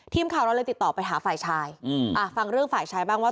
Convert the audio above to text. ทีมข่าวเราเลยติดต่อไปหาฝ่ายชายอืมอ่าฟังเรื่องฝ่ายชายบ้างว่า